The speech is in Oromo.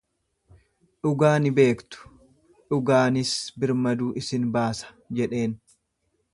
Dhugaa ni beektu, dhugaanis birmaduu isin baasa jedheen.